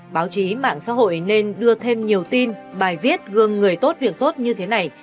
báo chí mạng xã hội nên đưa thêm nhiều tin bài viết gương người tốt việc tốt như thế này